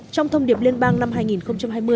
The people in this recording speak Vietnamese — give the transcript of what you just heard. trong thông điệp liên bang năm hai nghìn hai mươi